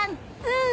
うん。